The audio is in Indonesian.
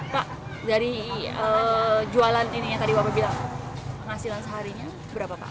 pak dari jualan ini yang tadi bapak bilang penghasilan seharinya berapa pak